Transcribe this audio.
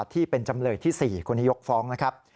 ที่เป็นจำเลยที่๔คุณหยกฟ้องนะครับ